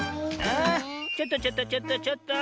あちょっとちょっとちょっとちょっと。